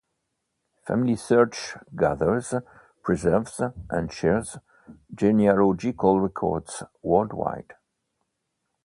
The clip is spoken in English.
FamilySearch gathers, preserves, and shares genealogical records worldwide.